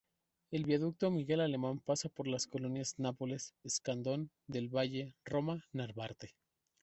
El Viaducto Miguel Alemán pasa por las colonias Nápoles, Escandón, Del Valle, Roma, Narvarte.